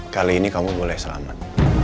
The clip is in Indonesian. kali ini kamu boleh selamat